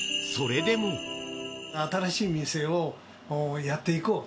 新しい店をやっていこうと。